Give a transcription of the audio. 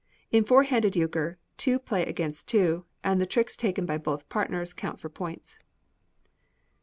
In Four handed Euchre, two play against two, and the tricks taken by both partners count for points.